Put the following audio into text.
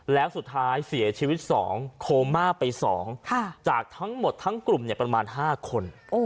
แล้วสุดท้ายเสียชีวิต๒โคม่าไป๒จากทั้งหมดทั้งกลุ่มประมาณ๕คน